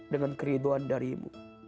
dengan keriduan darimu